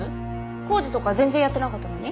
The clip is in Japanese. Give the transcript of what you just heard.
工事とか全然やってなかったのに？